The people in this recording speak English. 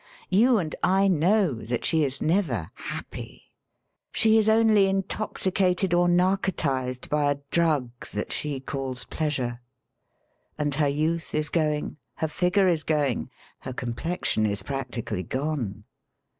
You and I know that she is never happy^ — she is only intoxicated or narcotised by a drug that she calls pleasure. And her youth is going; her figure is going; her complexion is practically gone.